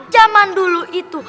zaman dulu itu